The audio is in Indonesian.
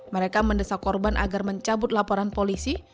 mereka mendesak korban agar mencabut laporan polisi